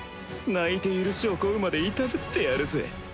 泣いて許しを請うまでいたぶってやるぜ